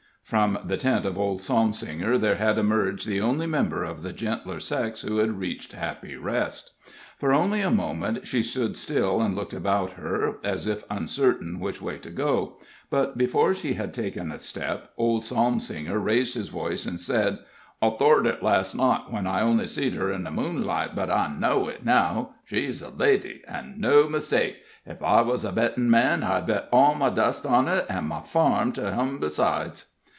From the tent of old Psalmsinger there had emerged the only member of the gentler sex who had reached Happy Rest. For only a moment she stood still and looked about her, as if uncertain which way to go; but before she had taken a step, old Psalmsinger raised his voice, and said: "I thort it last night, when I only seed her in the moonlight, but I know it now she's a lady, an' no mistake. Ef I was a bettin' man, I'd bet all my dust on it, an' my farm to hum besides!"